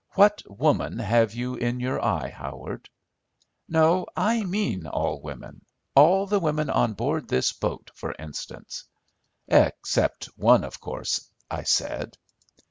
What woman have you in your eye, Howard?" "No, I mean all women. All the women on board this boat, for instance." "Except one, of course," I said.